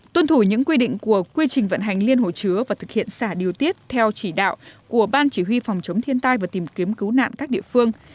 tuân thủ những quy định của quy trình vận hành liên hồ chứa và thực hiện xả điều tiết theo chỉ đạo của ban chỉ huy phòng chống thiên tai và tìm kiếm cứu nạn các địa phương